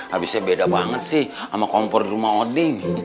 habisnya beda banget sih sama kompor di rumah odin